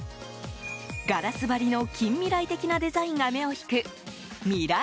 ガラス張りの近未来的なデザインが目を引く未来